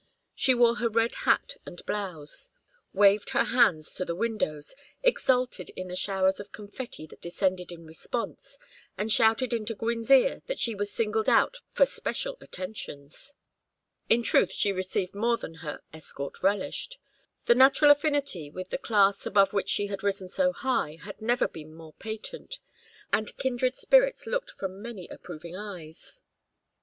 She wore her red hat and blouse, waved her hands to the windows, exulted in the showers of confetti that descended in response, and shouted into Gwynne's ear that she was singled out for special attentions. In truth she received more than her escort relished. Her natural affinity with the class above which she had risen so high had never been more patent, and kindred spirits looked from many approving eyes.